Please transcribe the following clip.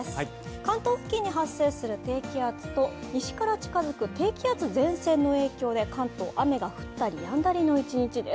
関東付近に発生する低気圧と西から近づく西から近づく低気圧前線の影響で関東、雨が降ったりやんだりの一日です。